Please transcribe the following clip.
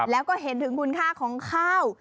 แล้วก็เห็นถึงคุณค่าของข้าว